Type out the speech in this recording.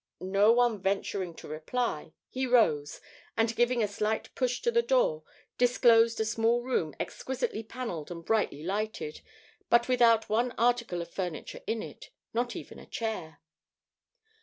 No one venturing to reply, he rose, and giving a slight push to the door, disclosed a small room exquisitely panelled and brightly lighted, but without one article of furniture in it, not even a chair.